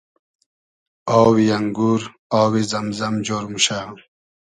آوی انگور آوی زئم زئم جۉر موشۂ